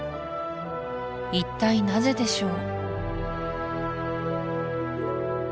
一体なぜでしょう？